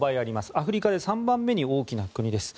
アフリカで３番目に大きな国です。